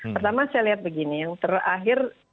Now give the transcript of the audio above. pertama saya lihat begini yang terakhir